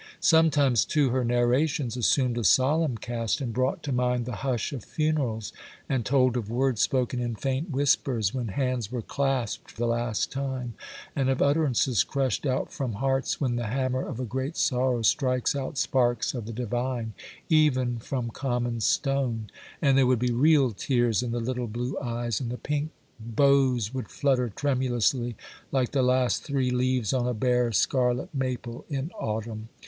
Sometimes, too, her narrations assumed a solemn cast, and brought to mind the hush of funerals, and told of words spoken in faint whispers, when hands were clasped for the last time,—and of utterances crushed out from hearts, when the hammer of a great sorrow strikes out sparks of the Divine, even from common stone; and there would be real tears in the little blue eyes, and the pink bows would flutter tremulously, like the last three leaves on a bare scarlet maple in autumn.